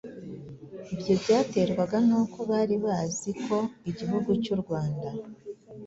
Ibyo byaterwaga n'uko bari bazi ko igihugu cy'u Rwanda